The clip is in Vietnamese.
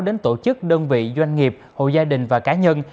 đến tổ chức đơn vị doanh nghiệp hộ gia đình và cá nhân